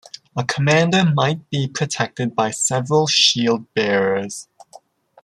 A commander might be protected by several shield bearers.